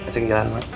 ceng ke dalam mak